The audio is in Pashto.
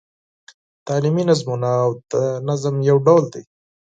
تعلیمي نظمونه د نظم یو ډول دﺉ.